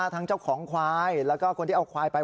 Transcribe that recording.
ทั้งเจ้าของควายแล้วก็คนที่เอาควายไป